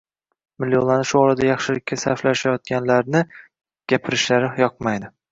millionlarni shu orada yaxshilikka sarflashayotganlarni gapirishlari yoqmaydi.